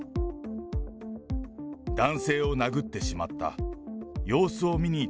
男性を殴ってしまった。